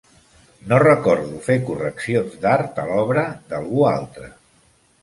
No recordo fer correccions d'art a l'obra d'algú altre.